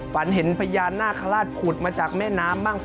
ฝันเห็นพญานาคาราชผุดมาจากแม่น้ำบ้าง